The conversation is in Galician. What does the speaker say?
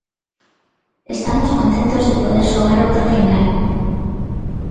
Estamos contentos de poder xogar outra final.